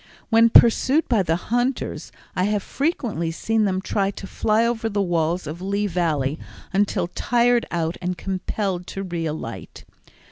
When pursued by the hunters I have frequently seen them try to fly over the walls of Lee Valley until tired out and compelled to re alight.